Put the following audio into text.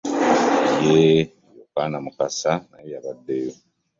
Yee, Yokaana Mukasa naye yabaddeyo.